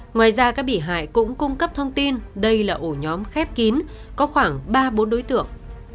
ngoài ra các bị hại cũng cung cấp thông tin đây là ổ nhóm khép kín có khoảng ba bốn đối tượng